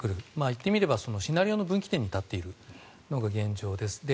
言ってみればシナリオの分岐点に立っているのが現状です。